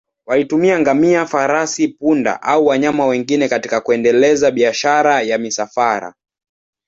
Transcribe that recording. Walitumia ngamia, farasi, punda au wanyama wengine katika kuendeleza biashara ya misafara.